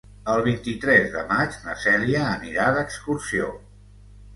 El vint-i-tres de maig na Cèlia anirà d'excursió.